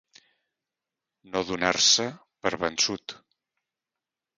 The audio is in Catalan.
No donar-se per vençut.